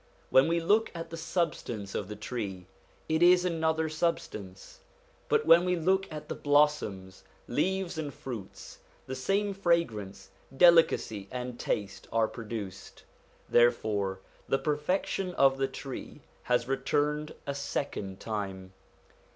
When we look at the substance of the tree, it is another substance, but when we look at the blossoms, leaves, and fruits, the same fragrance, delicacy, and taste are produced. Therefore the perfection of the tree has returned a second time.